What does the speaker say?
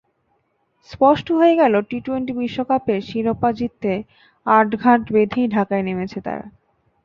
স্পষ্ট হয়ে গেল টি-টোয়েন্টি বিশ্বকাপের শিরোপা জিততে আটঘাট বেধেই ঢাকায় নেমেছে তারা।